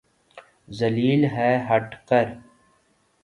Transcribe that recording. ذلیل ہے ہٹ کر